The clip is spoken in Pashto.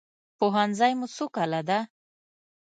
پوهنځی مو څو کاله ده؟